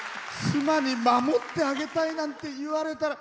妻に「守ってあげたい」なんて言われたら。